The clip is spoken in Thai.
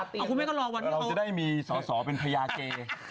เราจะได้มีสอเป็นพระยาเก